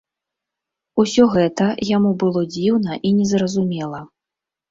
Усё гэта яму было дзіўна і незразумела.